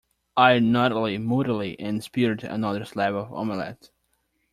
I nodded moodily and speared another slab of omelette.